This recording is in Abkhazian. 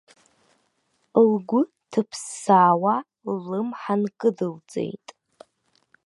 Лгәы ҭыԥсаауа ллымҳа нкыдылҵеит.